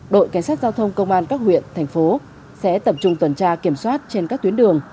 đội cảnh sát giao thông công an các huyện thành phố sẽ tập trung tuần tra kiểm soát trên các tuyến đường